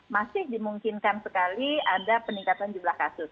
masih dimungkinkan sekali ada peningkatan jumlah kasus